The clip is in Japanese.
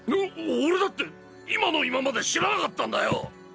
お俺だって今の今まで知らなかったんだよ！